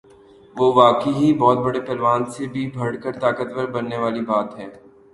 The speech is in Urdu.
ہ واقعی بہت بڑے پہلوان سے بھی بڑھ کر طاقت ور بننے والی بات ہے۔